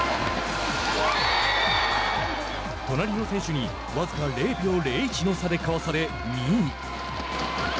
隣の選手に僅か０秒０１の差でかわされ２位。